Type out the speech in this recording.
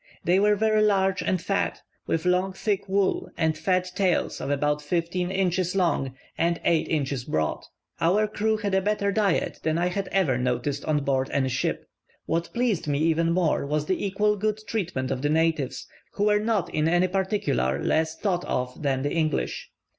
They were very large and fat, with long thick wool, and fat tails of about fifteen inches long and eight inches broad. Our crew had a better diet than I had ever noticed on board any ship. What pleased me even more was the equal good treatment of the natives, who were not in any particular less thought of than the English.